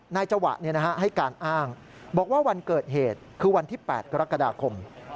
จังหวะให้การอ้างบอกว่าวันเกิดเหตุคือวันที่๘กรกฎาคม